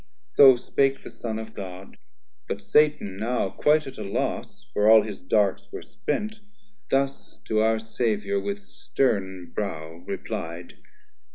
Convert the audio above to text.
So spake the Son of God; but Satan now Quite at a loss, for all his darts were spent, Thus to our Saviour with stern brow reply'd.